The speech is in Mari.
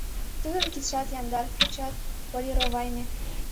Тудын кидшат яндар, кӱчшат полировайыме...